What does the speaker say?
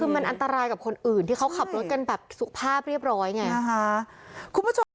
คือมันอันตรายกับคนอื่นที่เขาขับรถกันแบบสุขภาพเรียบร้อยไง